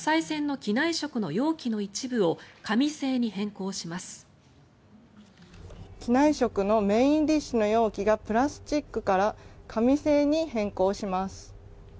機内食のメインディッシュの容器がプラスチックから紙製に変更します。